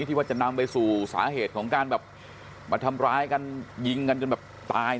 ที่จะนำไปสู่สาเหตุของการแบบมาทำร้ายกันยิงกันจนแบบตาย